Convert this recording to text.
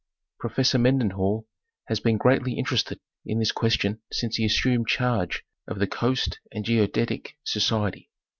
Professor Mendenhall has been greatly interested in this ques tion since he assumed charge of the Coast and Geodetic Survey.